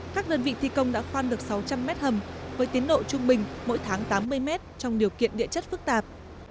các đơn vị thi công đã khoan được sáu trăm linh m hầm với tiến độ trung bình mỗi tháng tám mươi mét trong điều kiện địa chất phức tạp